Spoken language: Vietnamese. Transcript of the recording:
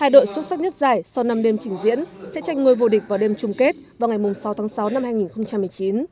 hai đội xuất sắc nhất giải sau năm đêm trình diễn sẽ tranh ngôi vô địch vào đêm chung kết vào ngày sáu tháng sáu năm hai nghìn một mươi chín